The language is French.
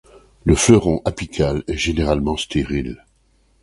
Le fleuron apical est généralement stérile.